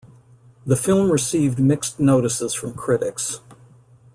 The film received mixed notices from critics.